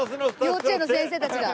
幼稚園の先生たちが。